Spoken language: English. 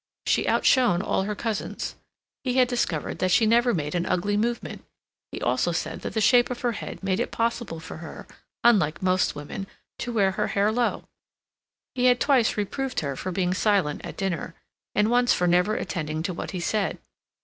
She outshone all her cousins. He had discovered that she never made an ugly movement; he also said that the shape of her head made it possible for her, unlike most women, to wear her hair low. He had twice reproved her for being silent at dinner; and once for never attending to what he said.